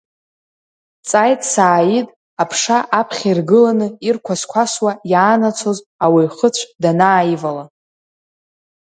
Дҵааит Сааид, аԥша аԥхьа иргыланы ирқәасқәасуа иаанацоз ауаҩ хыцә данааивала.